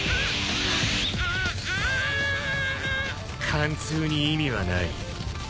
貫通に意味はない。